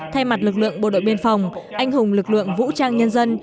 thay mặt lực lượng bộ đội biên phòng anh hùng lực lượng vũ trang nhân dân